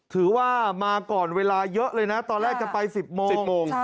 ถือว่ามาก่อนเวลาเยอะเลยนะตอนแรกจะไป๑๐โมง๑๐โมง